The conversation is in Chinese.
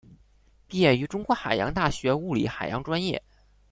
毕业于中国海洋大学物理海洋专业。